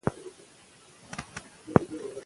که غرونه شنه کړو نو سیلاب نه راځي.